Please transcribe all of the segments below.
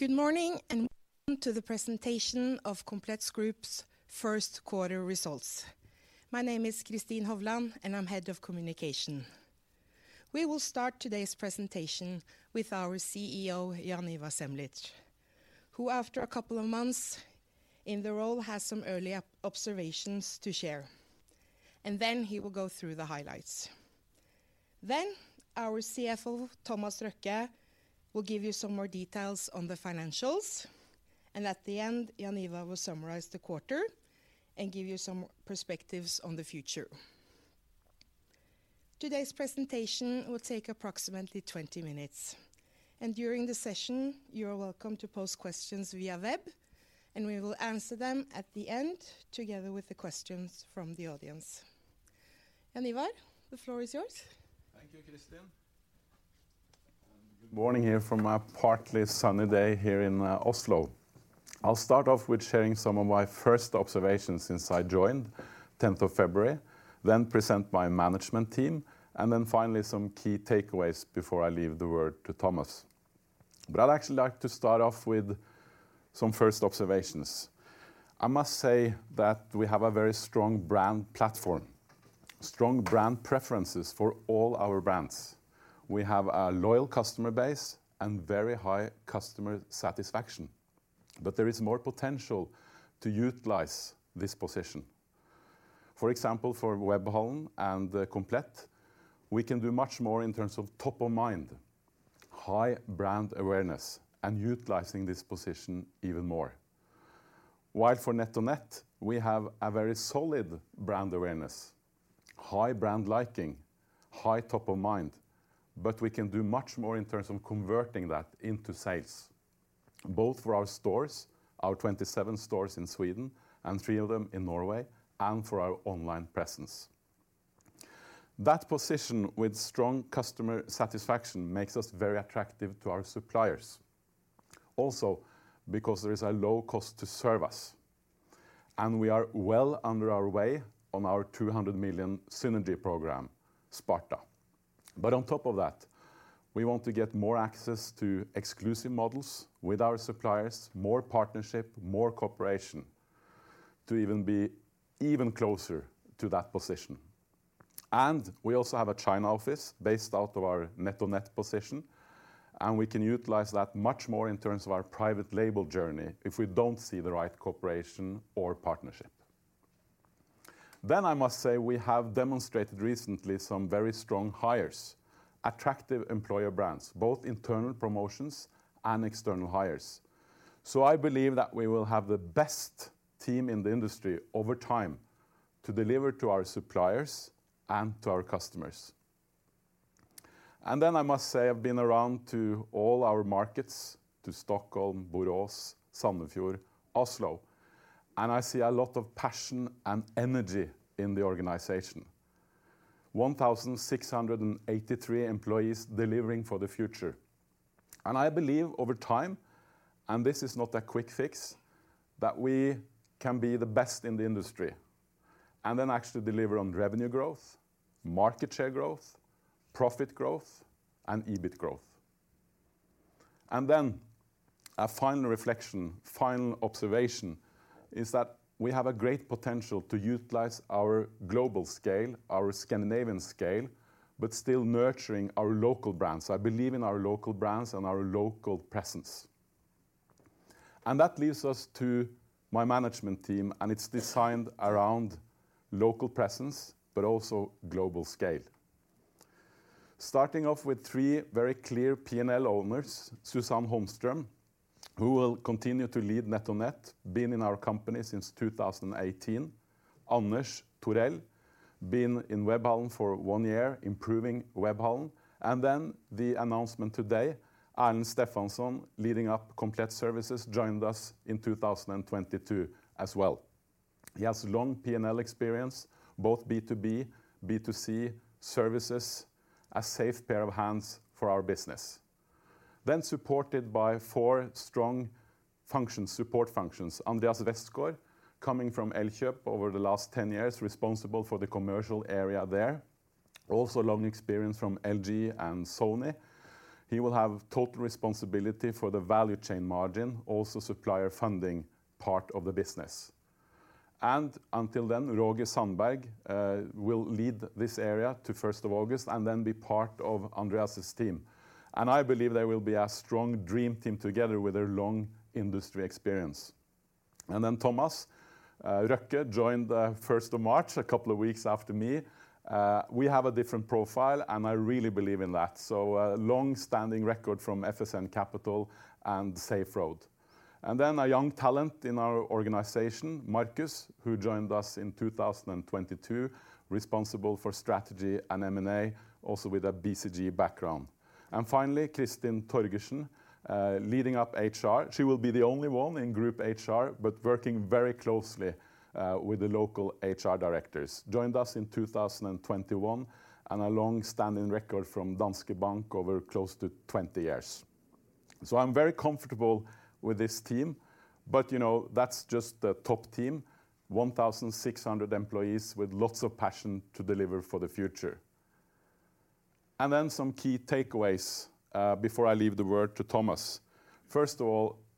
Good morning. Welcome to the presentation of Komplett Group's First Quarter Results. My name is Kristin Hovland, and I'm head of communication. We will start today's presentation with our CEO, Jaan Ivar Semlitsch, who after a couple of months in the role, has some early observations to share. He will go through the highlights. Our CFO, Thomas Røkke, will give you some more details on the financials. At the end, Jaan Ivar will summarize the quarter and give you some perspectives on the future. Today's presentation will take approximately 20 minutes. During the session you are welcome to pose questions via web. We will answer them at the end together with the questions from the audience. Jaan Ivar, the floor is yours. Thank you, Kristin. Good morning here from a partly sunny day here in Oslo. I'll start off with sharing some of my first observations since I joined 10th of February, then present my management team, and then finally some key takeaways before I leave the word to Thomas. I'd actually like to start off with some first observations. I must say that we have a very strong brand platform, strong brand preferences for all our brands. We have a loyal customer base and very high customer satisfaction. There is more potential to utilize this position. For example, for Webhallen and Komplett, we can do much more in terms of top of mind, high brand awareness, and utilizing this position even more. While for NetOnNet, we have a very solid brand awareness, high brand liking, high top of mind, but we can do much more in terms of converting that into sales, both for our stores, our 27 stores in Sweden and three of them in Norway, and for our online presence. That position with strong customer satisfaction makes us very attractive to our suppliers. Also, because there is a low cost to serve us, and we are well under our way on our 200 million synergy program, Sparta. On top of that, we want to get more access to exclusive models with our suppliers, more partnership, more cooperation to even be even closer to that position. We also have a China office based out of our NetOnNet position, and we can utilize that much much more in terms of our private label journey if we don't see the right cooperation or partnership. I must say we have demonstrated recently some very strong hires, attractive employer brands, both internal promotions and external hires. I believe that we will have the best team in the industry over time to deliver to our suppliers and to our customers. I must say, I've been around to all our markets, to Stockholm, Borås, Sandefjord, Oslo, and I see a lot of passion and energy in the organization. 1,683 employees delivering for the future. I believe over time, and this is not a quick fix, that we can be the best in the industry and then actually deliver on revenue growth, market share growth, profit growth, and EBIT growth. A final reflection, final observation is that we have a great potential to utilize our global scale, our Scandinavian scale, but still nurturing our local brands. I believe in our local brands and our local presence. That leads us to my management team, and it's designed around local presence but also global scale. Starting off with three very clear P&L owners, Susanne Holmström, who will continue to lead NetOnNet, been in our company since 2018. Anders Torell, been in Webhallen for one year, improving Webhallen. Then the announcement today, Erlend Stefansson, leading up Komplett Services, joined us in 2022 as well. He has long P&L experience, both B2B, B2C services, a safe pair of hands for our business. Supported by four strong functions, support functions. Andreas Westgaard, coming from Elkjøp over the last 10 years, responsible for the commercial area there. Also long experience from LG and Sony. He will have total responsibility for the value chain margin, also supplier funding part of the business. Until then, Roger Sandberg will lead this area to first of August and then be part of Andreas' team. I believe they will be a strong dream team together with their long industry experience. Thomas Røkke joined the first of March, a couple of weeks after me. We have a different profile, and I really believe in that. A long-standing record from FSN Capital and Saferoad. A young talent in our organization, Marcus, who joined us in 2022, responsible for strategy and M&A, also with a BCG background. Finally, Kristin Torgersen, leading up HR. She will be the only one in group HR, but working very closely with the local HR directors. Joined us in 2021, and a long-standing record from Danske Bank over close to 20 years. I'm very comfortable with this team, but, you know, that's just the top team. 1,600 employees with lots of passion to deliver for the future. Then some key takeaways before I leave the word to Thomas.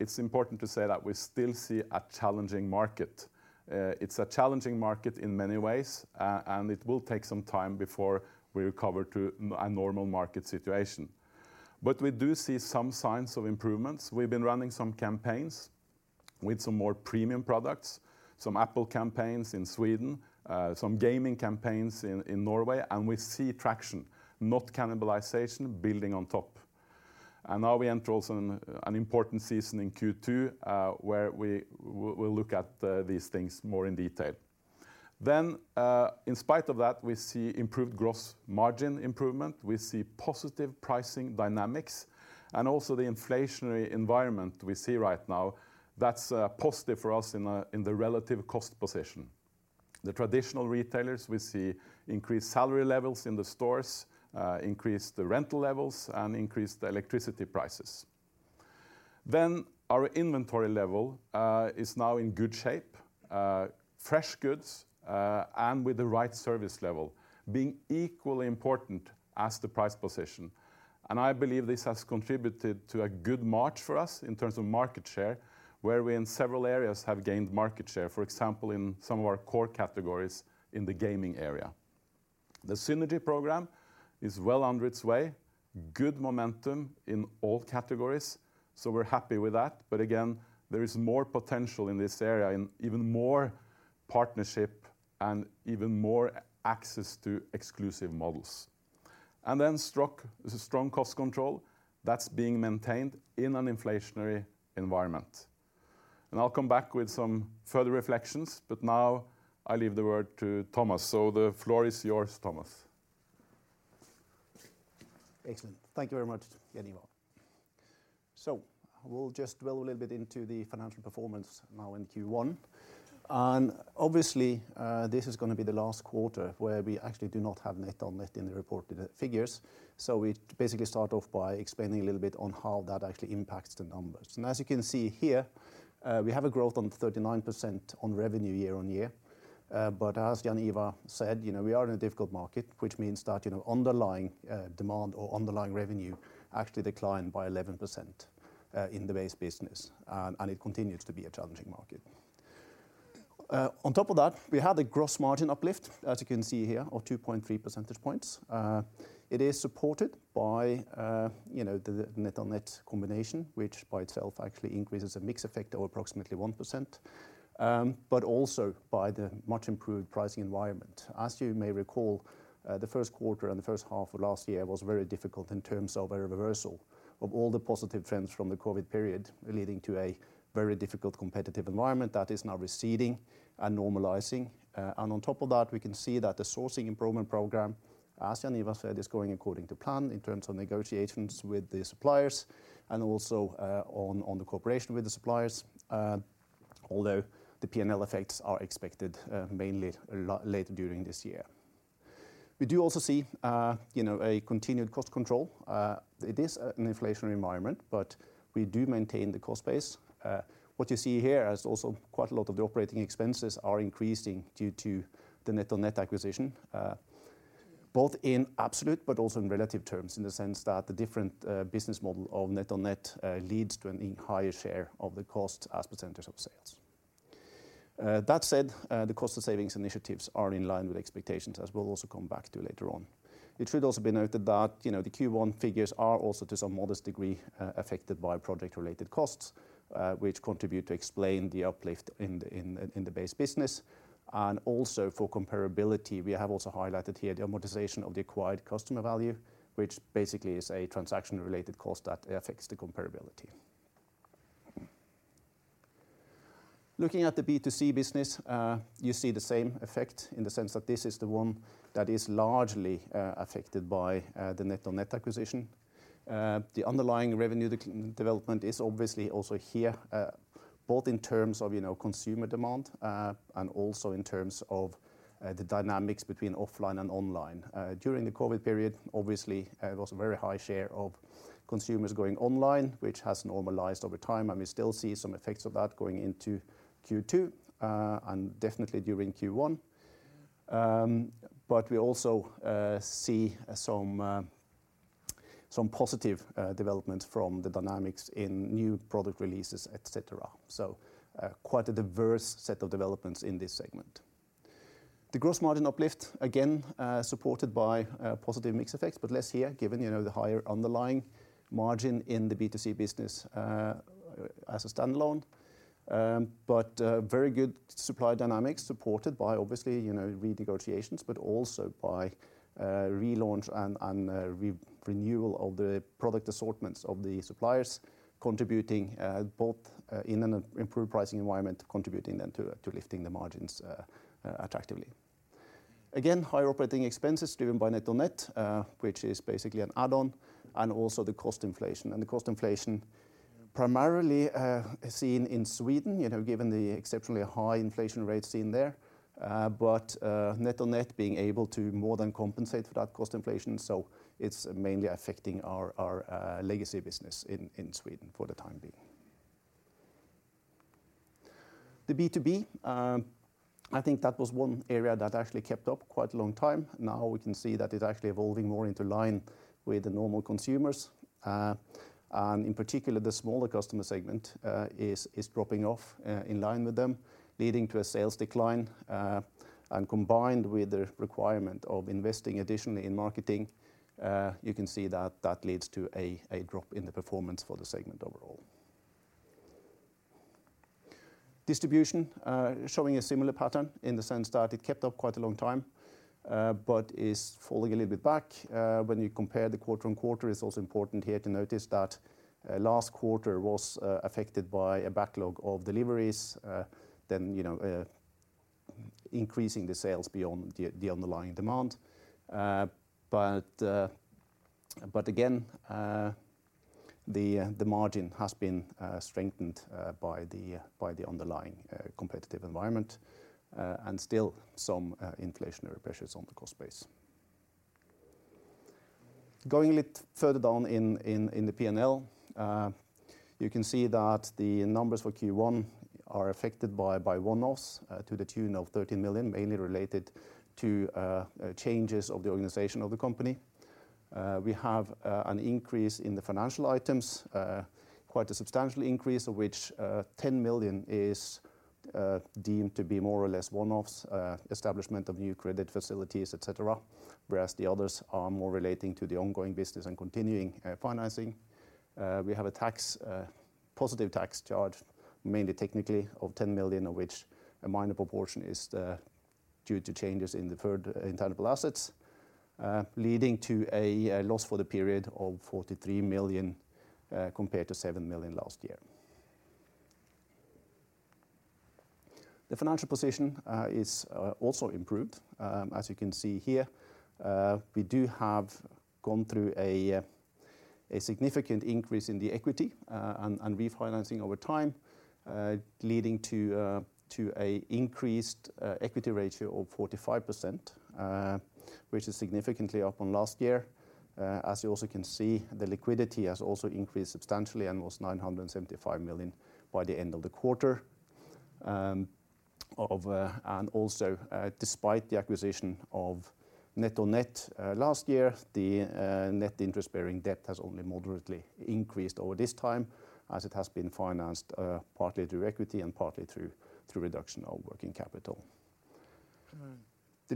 It's important to say that we still see a challenging market. It's a challenging market in many ways, and it will take some time before we recover to a normal market situation. We do see some signs of improvements. We've been running some campaigns with some more premium products, some Apple campaigns in Sweden, some gaming campaigns in Norway, and we see traction, not cannibalization, building on top. Now we enter also an important season in Q2, where we'll look at these things more in detail. In spite of that, we see improved gross margin improvement. We see positive pricing dynamics and also the inflationary environment we see right now that's positive for us in the relative cost position. The traditional retailers, we see increased salary levels in the stores, increase the rental levels and increase the electricity prices. Our inventory level is now in good shape, fresh goods, and with the right service level being equally important as the price position. I believe this has contributed to a good march for us in terms of market share, where we in several areas have gained market share, for example, in some of our core categories in the gaming area. The synergy program is well under its way. Good momentum in all categories, so we're happy with that. Again, there is more potential in this area and even more partnership and even more access to exclusive models. Strong cost control that's being maintained in an inflationary environment. I'll come back with some further reflections, but now I leave the word to Thomas. The floor is yours, Thomas. Excellent. Thank you very much, Jaan Ivar. We'll just dwell a little bit into the financial performance now in Q1. Obviously, this is gonna be the last quarter where we actually do not have NetOnNet in the reported figures. We basically start off by explaining a little bit on how that actually impacts the numbers. As you can see here, we have a growth on 39% on revenue year-on-year. But as Jaan Ivar said, you know, we are in a difficult market, which means that, you know, underlying demand or underlying revenue actually declined by 11% in the base business. It continues to be a challenging market. On top of that, we had a gross margin uplift, as you can see here, of 2.3 percentage points. It is supported by, you know, the NetOnNet combination, which by itself actually increases a mix effect of approximately 1%, but also by the much improved pricing environment. As you may recall, the first quarter and the first half of last year was very difficult in terms of a reversal of all the positive trends from the COVID period, leading to a very difficult competitive environment that is now receding and normalizing. On top of that, we can see that the sourcing improvement program, as Jaan Ivar said, is going according to plan in terms of negotiations with the suppliers and also on the cooperation with the suppliers, although the P&L effects are expected mainly later during this year. We do also see, you know, a continued cost control. It is an inflationary environment, but we do maintain the cost base. What you see here is also quite a lot of the operating expenses are increasing due to the NetOnNet acquisition, both in absolute but also in relative terms, in the sense that the different business model of NetOnNet leads to an even higher share of the cost as percentage of sales. That said, the cost of savings initiatives are in line with expectations, as we'll also come back to later on. It should also be noted that, you know, the Q1 figures are also to some modest degree affected by project-related costs, which contribute to explain the uplift in the base business. Also for comparability, we have also highlighted here the amortization of the acquired customer value, which basically is a transaction-related cost that affects the comparability. Looking at the B2C business, you see the same effect in the sense that this is the one that is largely affected by the NetOnNet acquisition. The underlying revenue de-development is obviously also here, both in terms of, you know, consumer demand, and also in terms of the dynamics between offline and online. During the COVID period, obviously, it was a very high share of consumers going online, which has normalized over time, and we still see some effects of that going into Q2, and definitely during Q1. We also see some positive developments from the dynamics in new product releases, et cetera. Quite a diverse set of developments in this segment. The gross margin uplift, again, supported by positive mix effects, but less here, given, you know, the higher underlying margin in the B2C business as a standalone. Very good supply dynamics supported by obviously, you know, renegotiations, but also by relaunch and re-renewal of the product assortments of the suppliers contributing, both in an improved pricing environment, contributing then to lifting the margins attractively. Again, higher operating expenses driven by NetOnNet, which is basically an add-on, and also the cost inflation. The cost inflation primarily is seen in Sweden, you know, given the exceptionally high inflation rates seen there, but NetOnNet being able to more than compensate for that cost inflation. It's mainly affecting our legacy business in Sweden for the time being. The B2B, I think that was one area that actually kept up quite a long time. Now we can see that it's actually evolving more into line with the normal consumers. In particular, the smaller customer segment, is dropping off, in line with them, leading to a sales decline. Combined with the requirement of investing additionally in marketing, you can see that that leads to a drop in the performance for the segment overall. Distribution, showing a similar pattern in the sense that it kept up quite a long time, but is falling a little bit back. When you compare the quarter-on-quarter, it's also important here to notice that last quarter was affected by a backlog of deliveries, then, you know, increasing the sales beyond the underlying demand. Again, the margin has been strengthened by the underlying competitive environment and still some inflationary pressures on the cost base. Going a little further down in the P&L, you can see that the numbers for Q1 are affected by one-offs to the tune of 13 million, mainly related to changes of the organization of the company. We have an increase in the financial items, quite a substantial increase of which 10 million is deemed to be more or less one-offs, establishment of new credit facilities, etc. The others are more relating to the ongoing business and continuing, financing. We have a tax, positive tax charge, mainly technically of 10 million, of which a minor proportion is the due to changes in deferred intangible assets, leading to a, loss for the period of 43 million, compared to 7 million last year. The financial position, is, also improved. As you can see here, we do have gone through a significant increase in the equity, and refinancing over time, leading to a increased, equity ratio of 45%, which is significantly up on last year. As you also can see, the liquidity has also increased substantially and was 975 million by the end of the quarter. Of, and also, despite the acquisition of NetOnNet last year, the net interest-bearing debt has only moderately increased over this time as it has been financed partly through equity and partly through reduction of working capital. The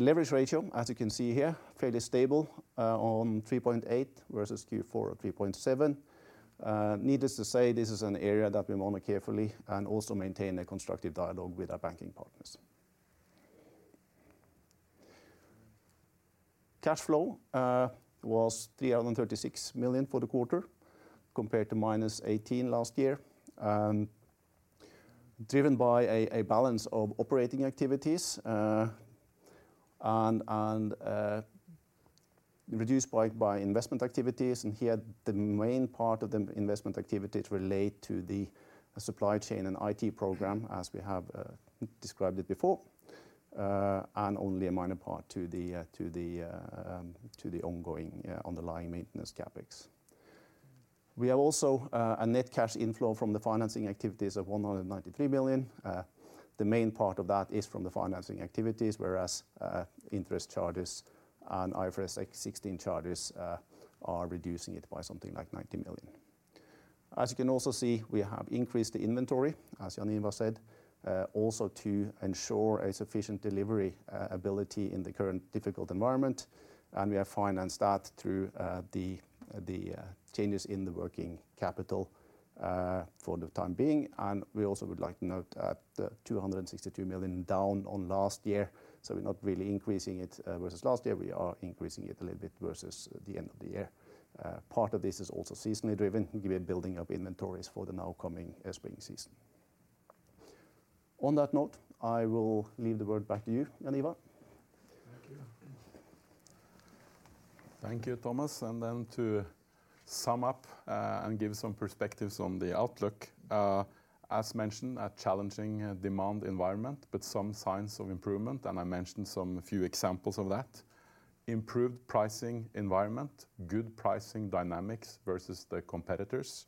leverage ratio, as you can see here, fairly stable, on 3.8 versus Q4 at 3.7. Needless to say, this is an area that we monitor carefully and also maintain a constructive dialogue with our banking partners. Cash flow was 336 million for the quarter compared to -18 last year. Driven by a balance of operating activities, and reduced by investment activities. Here the main part of the investment activities relate to the supply chain and IT program, as we have described it before, and only a minor part to the ongoing underlying maintenance CapEx. We have also a net cash inflow from the financing activities of 193 million. The main part of that is from the financing activities, whereas interest charges on IFRS 16 charges are reducing it by something like 90 million. As you can also see, we have increased the inventory, as Jaan Ivar said, also to ensure a sufficient delivery ability in the current difficult environment, and we have financed that through the changes in the working capital for the time being. We also would like to note that 262 million down on last year, so we're not really increasing it versus last year. We are increasing it a little bit versus the end of the year. Part of this is also seasonally driven, building up inventories for the now coming spring season. On that note, I will leave the word back to you, Jaan Ivar. Thank you. Thank you, Thomas. To sum up, and give some perspectives on the outlook. As mentioned, a challenging demand environment, but some signs of improvement, and I mentioned some few examples of that. Improved pricing environment, good pricing dynamics versus the competitors.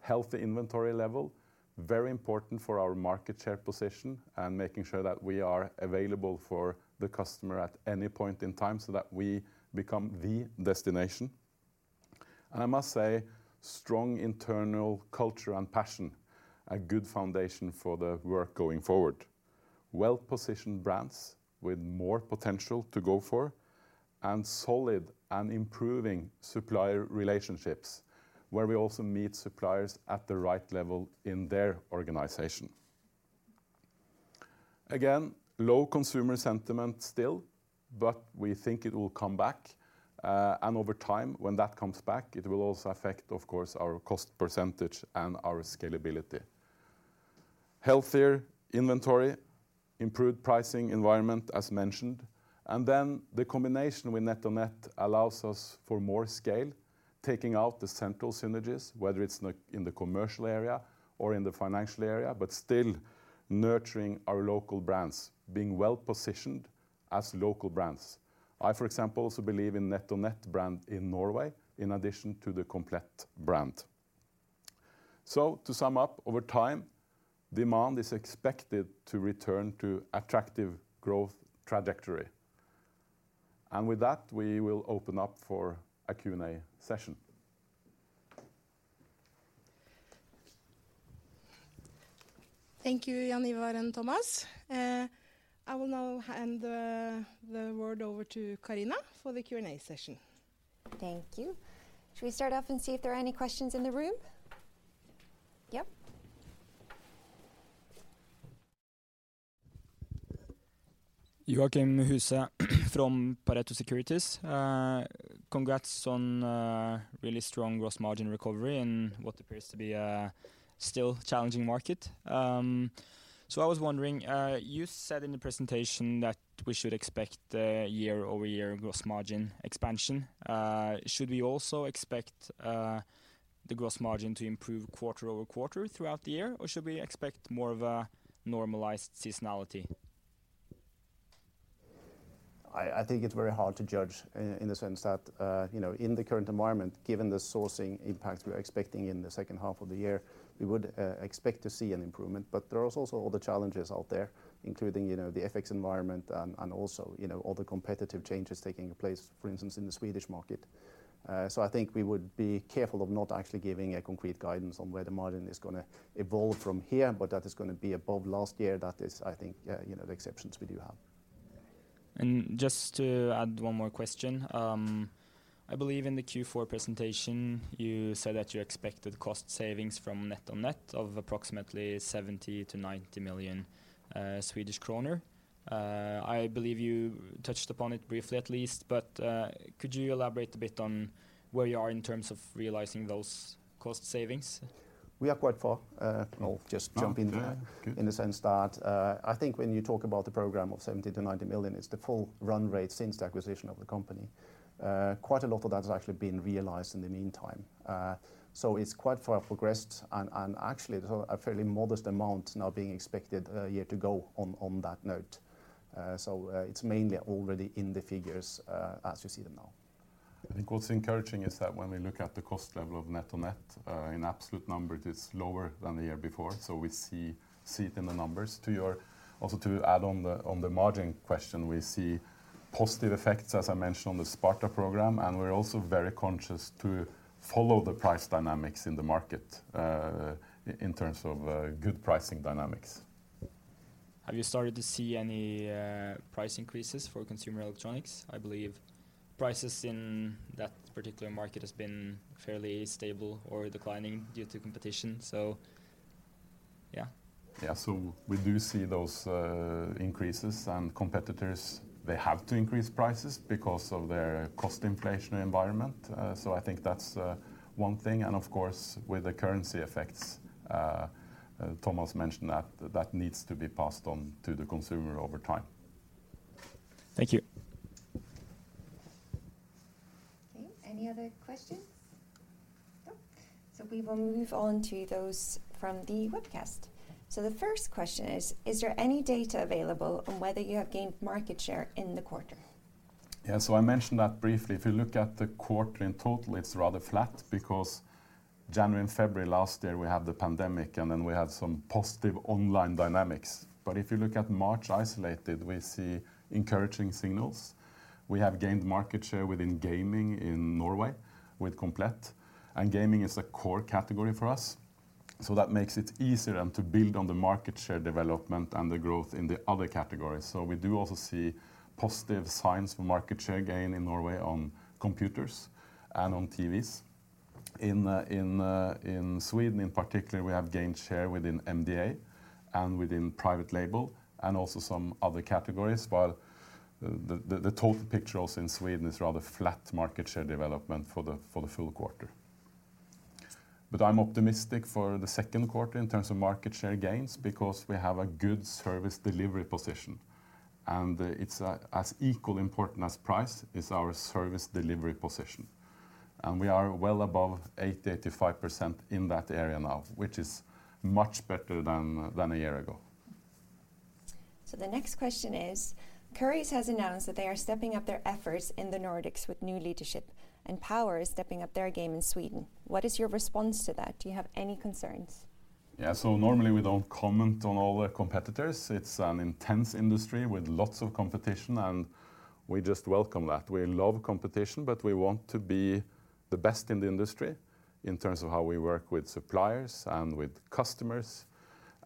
Healthy inventory level, very important for our market share position and making sure that we are available for the customer at any point in time so that we become the destination. I must say, strong internal culture and passion, a good foundation for the work going forward. Well-positioned brands with more potential to go for and solid and improving supplier relationships, where we also meet suppliers at the right level in their organization. Low consumer sentiment still, but we think it will come back, and over time, when that comes back, it will also affect, of course, our cost percentage and our scalability. Healthier inventory, improved pricing environment as mentioned, and then the combination with NetOnNet allows us for more scale, taking out the central synergies, whether it's in the, in the commercial area or in the financial area, but still nurturing our local brands, being well-positioned as local brands. I, for example, also believe in NetOnNet brand in Norway, in addition to the Komplett brand. To sum up, over time, demand is expected to return to attractive growth trajectory. With that, we will open up for a Q&A session. Thank you, Jaan Ivar and Thomas. I will now hand the word over to Karina for the Q&A session. Thank you. Should we start off and see if there are any questions in the room? Yep. Joachim Huuse from Pareto Securities. Congrats on really strong gross margin recovery and what appears to be a still challenging market. I was wondering, you said in the presentation that we should expect a year-over-year gross margin expansion. Should we also expect the gross margin to improve quarter-over-quarter throughout the year? Or should we expect more of a normalized seasonality? I think it's very hard to judge in the sense that, you know, in the current environment, given the sourcing impact we are expecting in the second half of the year, we would expect to see an improvement. There is also all the challenges out there, including, you know, the FX environment and also, you know, all the competitive changes taking place, for instance, in the Swedish market. I think we would be careful of not actually giving a concrete guidance on where the margin is gonna evolve from here, but that is gonna be above last year. That is, I think, you know, the exceptions we do have. Just to add one more question, I believe in the Q4 presentation, you said that you expected cost savings from NetOnNet of approximately 70 million-90 million Swedish kronor. I believe you touched upon it briefly at least, but could you elaborate a bit on where you are in terms of realizing those cost savings? We are quite far. I'll just jump in there. Oh, yeah. Good. In the sense that, I think when you talk about the program of 70 million-90 million, it's the full run rate since the acquisition of the company. Quite a lot of that has actually been realized in the meantime. It's quite far progressed and actually, a fairly modest amount now being expected, yet to go on that note. It's mainly already in the figures, as you see them now. I think what's encouraging is that when we look at the cost level of NetOnNet, in absolute number, it is lower than the year before. We see it in the numbers. Also to add on the margin question, we see positive effects, as I mentioned, on the Sparta program, and we're also very conscious to follow the price dynamics in the market, in terms of good pricing dynamics. Have you started to see any price increases for consumer electronics? I believe prices in that particular market has been fairly stable or declining due to competition. Yeah. Yeah. We do see those increases and competitors, they have to increase prices because of their cost inflationary environment. I think that's one thing. Of course, with the currency effects, Thomas mentioned that that needs to be passed on to the consumer over time. Thank you. Okay. Any other questions? No. We will move on to those from the webcast. The first question is: Is there any data available on whether you have gained market share in the quarter? Yeah. I mentioned that briefly. If you look at the quarter in total, it's rather flat because January and February last year, we have the pandemic, and then we have some positive online dynamics. If you look at March isolated, we see encouraging signals. We have gained market share within gaming in Norway with Komplett, and gaming is a core category for us. That makes it easier and to build on the market share development and the growth in the other categories. We do also see positive signs for market share gain in Norway on computers and on TVs. In Sweden in particular, we have gained share within MDA and within private label and also some other categories. The total picture also in Sweden is rather flat market share development for the full quarter. I'm optimistic for the second quarter in terms of market share gains because we have a good service delivery position, and it's as equally important as price is our service delivery position. We are well above 80%-85% in that area now, which is much better than a year ago. The next question is, Currys has announced that they are stepping up their efforts in the Nordics with new leadership, and POWER is stepping up their game in Sweden. What is your response to that? Do you have any concerns? Normally we don't comment on all the competitors. It's an intense industry with lots of competition, and we just welcome that. We love competition, but we want to be the best in the industry in terms of how we work with suppliers and with customers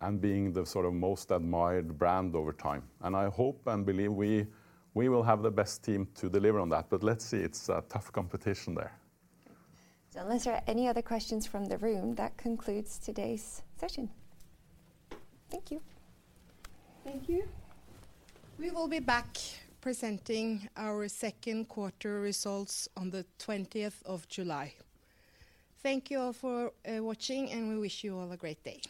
and being the sort of most admired brand over time. I hope and believe we will have the best team to deliver on that. Let's see. It's a tough competition there. Unless there are any other questions from the room, that concludes today's session. Thank you. Thank you. We will be back presenting our second quarter results on the 20th of July. Thank you all for watching. We wish you all a great day.